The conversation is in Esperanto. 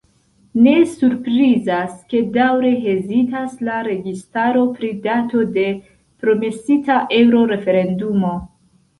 Ne surprizas, ke daŭre hezitas la registaro pri dato de promesita eŭro-referendumo.